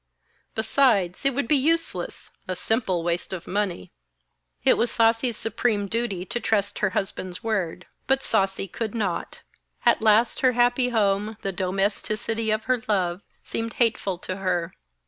'Besides, it would be useless, a simple waste of money.' It was Sasi's supreme duty to trust her husband's word, but Sasi could not. At last her happy home, the domesticity of her love seemed hateful to her.